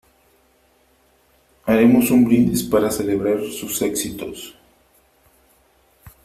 Haremos un brindis para celebrar sus éxitos.